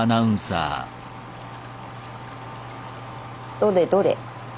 どれどれ。